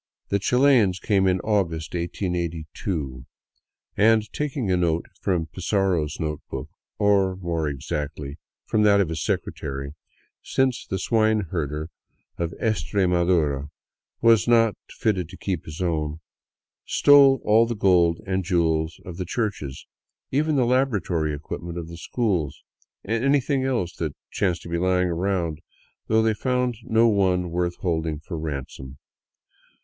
The Chilians came in August, 1882, and, taking a note from Pizarro's note book — or, more exactly, from that of his secretary, since the swine herder of Estre madura was not fitted to keep his own — stole all the gold and jewels of the churches, even the laboratory equipment of the schools, and anything else that chanced to be lying around; though they found no one worth holding for ransom.